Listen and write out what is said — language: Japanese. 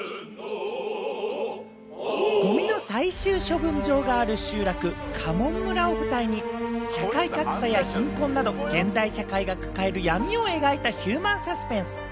ゴミの最終処分場がある集落・霞門村を舞台に、社会格差や貧困など現代社会が抱える闇を描いたヒューマンサスペンス。